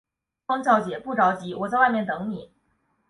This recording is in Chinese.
方小姐，不着急，我在外面等妳。